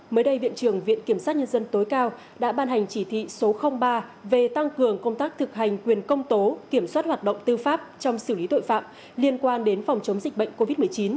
mới đây viện trưởng viện kiểm sát nhân dân tối cao đã ban hành chỉ thị số ba về tăng cường công tác thực hành quyền công tố kiểm soát hoạt động tư pháp trong xử lý tội phạm liên quan đến phòng chống dịch bệnh covid một mươi chín